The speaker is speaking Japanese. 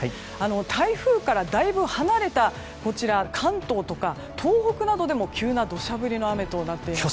台風からだいぶ離れた関東とか東北などでも急な土砂降りの雨となっています。